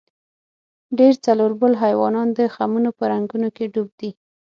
ډېر څلوربول حیوانان د خمونو په رنګونو کې ډوب دي.